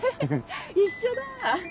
一緒だ！